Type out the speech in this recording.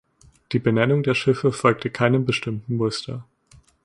Die Benennung der Schiffe folgte keinem bestimmten Muster.